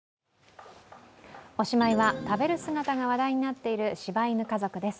おしまいは、食べる姿が話題になっている柴犬家族です。